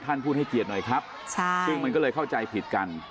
ท่านพูดให้เกียรติหน่อยครับซึ่งมันก็เลยเข้าใจผิดกัน